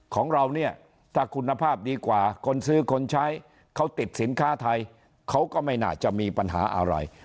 ของเราเนี่ยถ้าคุณภาพดีกว่าคนซื้อคนใช้เขาติดสินค้าไทยเขาก็ไม่น่าจะมีปัญหาอะไร